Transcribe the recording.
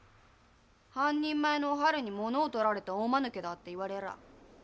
半人前のおはるに物を取られた大まぬけだって言われらぁ。